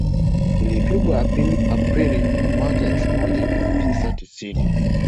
Ilipigwa Aprili mwaka wa elfu moja mia tisa tisini